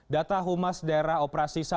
data humas daerah operasi satu